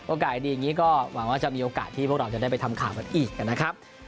ดีอย่างนี้ก็หวังว่าจะมีโอกาสที่พวกเราจะได้ไปทำข่าวกันอีกนะครับ